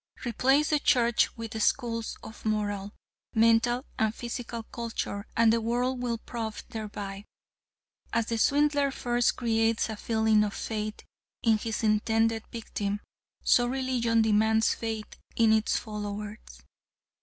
Replace the Church with schools of moral, mental and physical culture and the world will pro& thereby. As the swindler first creates a feeling of faith in his intended victim, so religion demands faith in its followers.